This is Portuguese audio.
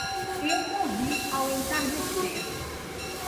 Eu o vi ao entardecer